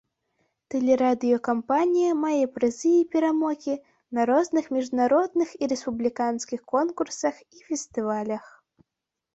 Тэлерадыёкампанія мае прызы і перамогі на розных міжнародных і рэспубліканскіх конкурсах і фестывалях.